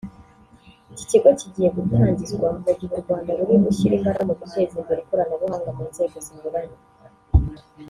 Iki kigo kigiye gutangizwa mu gihe u Rwada ruri gushyira imbaraga mu guteza imbere ikoranabuhanga mu nzego zinyuranye